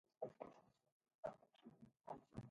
He lives in the South Bank area of London.